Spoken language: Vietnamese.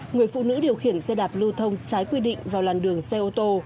người phụ nữ điều khiển xe đạp lưu thông trái quy định vào làn đường xe ô tô